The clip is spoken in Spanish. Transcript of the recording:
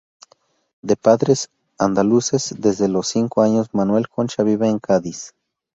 De padres andaluces, desde los cinco años Manuel Concha vive en Cádiz.